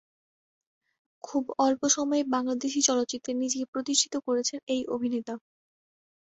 খুব অল্প সময়েই বাংলাদেশী চলচ্চিত্রে নিজেকে প্রতিষ্ঠিত করেছেন এই অভিনেতা।